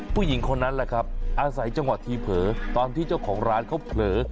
ผู้หญิงคนนั้นแหละครับอาศัยจังหวะทีเผลอตอนที่เจ้าของร้านเขาเผลอ